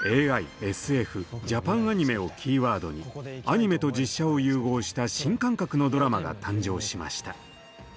「ＡＩ」「ＳＦ」「ジャパンアニメ」をキーワードにアニメと実写を融合した新感覚のドラマが誕生しました。